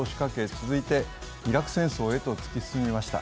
続いてイラク戦争へと突き進みました。